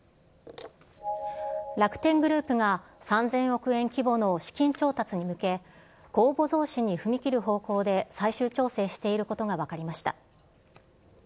楽天グループが、３０００億円規模の資金調達に向け、公募増資に踏み切る方向で最終調整していることが分かりました。